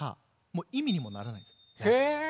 もう意味にもならないですね。